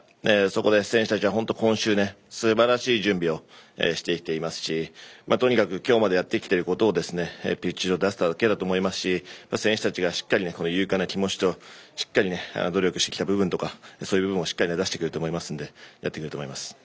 そこで選手たちは本当に今週すばらしい準備をしてきていますしとにかく今日までやってきていることをピッチ上で出すだけだと思いますし選手たちがしっかり勇敢な気持ちと努力してきた部分とかをそういう部分をしっかり出してくれると思いますのでやってくれると思います。